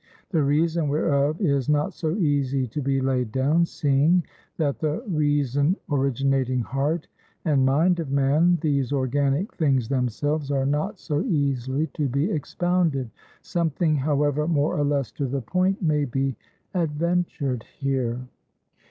The reason whereof is not so easy to be laid down; seeing that the reason originating heart and mind of man, these organic things themselves are not so easily to be expounded. Something, however, more or less to the point, may be adventured here.